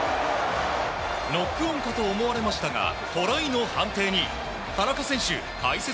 ノックオンかと思われましたがトライの判定に。